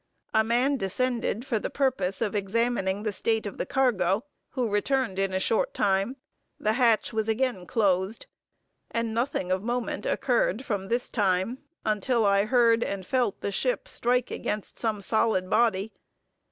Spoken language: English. A man descended for the purpose of examining the state of the cargo; who returned in a short time. The hatch was again closed, and nothing of moment occurred from this time, until I heard and felt the ship strike against some solid body.